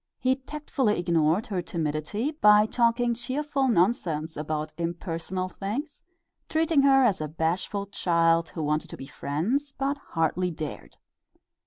He tactfully ignored her timidity by talking cheerful nonsense about impersonal things, treating her as a bashful child who wanted to be friends but hardly dared.